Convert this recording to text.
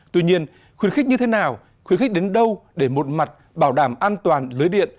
tuy nhiên khuyến khích như thế nào khuyến khích đến đâu để một mặt bảo đảm an toàn lưới điện